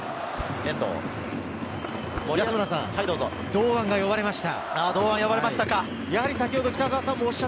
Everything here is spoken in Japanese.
堂安が呼ばれました。